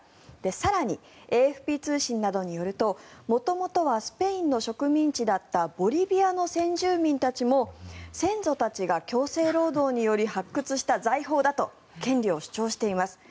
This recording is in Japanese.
更に、ＡＦＰ通信などによると元々はスペインの植民地だったボリビアの先住民たちも先祖たちが強制労働により発掘した財宝だと権利を主張しています。